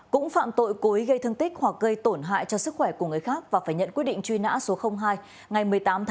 cũng phạm tội cối gây thương tích hoặc gây tổn hại cho sức khỏe của người khác và phải nhận quy định truy nã số hai ngày một mươi tám bảy hai nghìn hai mươi ba